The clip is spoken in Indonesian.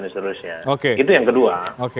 itu yang kedua